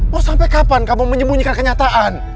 mau sampai kapan kamu menyembunyikan kenyataan